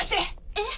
えっ？